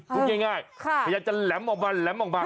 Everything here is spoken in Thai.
พยายามจะแหลมออกมา